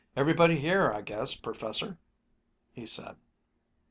"Everybody here, I guess, Perfesser," he said.